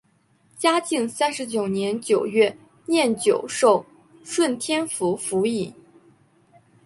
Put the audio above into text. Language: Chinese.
嘉靖三十九年九月廿九授顺天府府尹。